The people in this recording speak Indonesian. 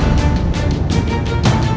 aku akan pergi ke istana yang lain